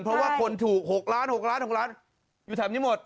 เพราะว่าคนถูก๖ล้านอยู่แถบนี้หมด